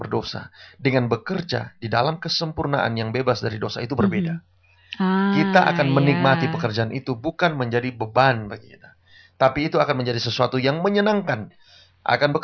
dari marmer dindingnya mungkin